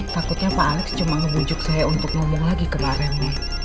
takutnya pak alex cuma ngebujuk saya untuk ngomong lagi kemarin